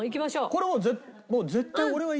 これもう絶対。